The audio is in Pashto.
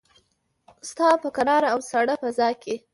ستا په کراره او ساړه فضاکې